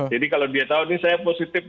jadi kalau dia tahu ini saya positif